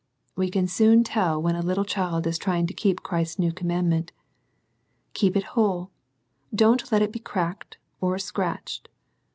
We can soon tell w a little child is trying to keep Christ's commandment Keep it whole : don't let i cracked or scratched.